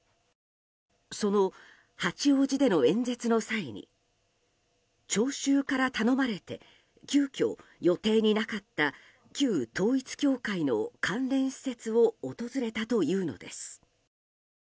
その八王子での演説の際に聴衆から頼まれて急きょ予定になかった旧統一教会の関連施設を訪れたというのです。